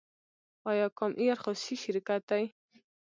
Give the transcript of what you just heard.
آیا کام ایر خصوصي شرکت دی؟